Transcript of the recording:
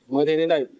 mới thế đến đây